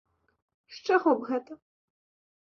З чаго б гэта?